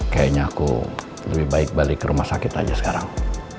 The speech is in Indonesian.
kayaknya aku lebih baik balik ke rumah sakit aja sekarang